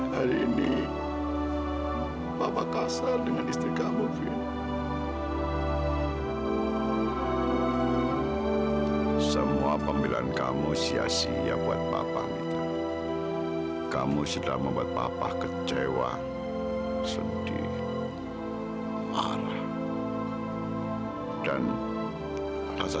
sampai jumpa di video selanjutnya